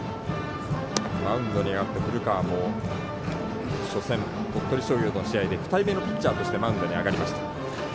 マウンドに上がって古川も初戦で鳥取商業の２人目のピッチャーとしてマウンドに上がりました。